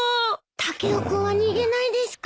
タケオ君は逃げないですか。